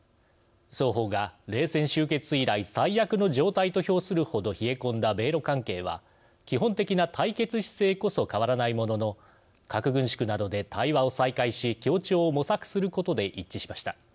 双方が冷戦終結以来最悪の状態と評するほど冷え込んだ米ロ関係は基本的な対決姿勢こそ変わらないものの核軍縮などで対話を再開し協調を模索することで一致しました。